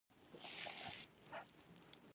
پلاستيک د ښوونځي د بکسونو برخه وي.